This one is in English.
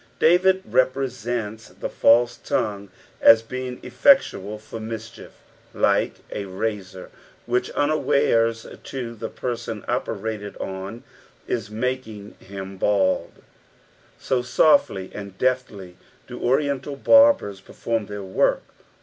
David represents the false tongue as bein^ effectual for mischief, like a razor which, unawares to the person operated on, is making him bald ; so softly and deftly do Oriental bMbers perform their work.